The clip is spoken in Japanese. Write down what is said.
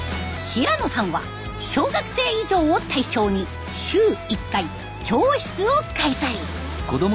平野さんは小学生以上を対象に週１回教室を開催。